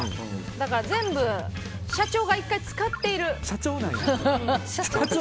だから、全部社長が１回使っている！